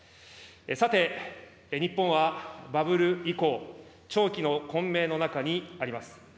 さて、日本はバブル以降、長期の混迷の中にあります。